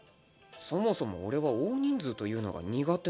そもそも俺は大人数というのが苦手なんだ。